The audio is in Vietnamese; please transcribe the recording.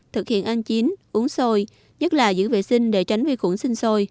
thực hiện ăn chín uống sôi nhất là giữ vệ sinh để tránh vi khuẩn sinh sôi